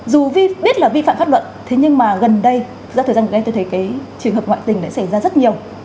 dù vi biết là vi phạm pháp luật thế nhưng mà gần đây do thời gian gần đây tôi thấy cái trường hợp ngoại tình đã xảy ra rất nhiều